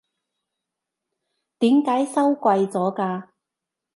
點解收貴咗㗎？